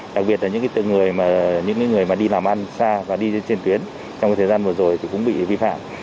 đặc biệt là những người đi làm ăn xa và đi trên tuyến trong thời gian vừa rồi thì cũng bị vi phạm